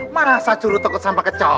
masa curut takut sama kecoa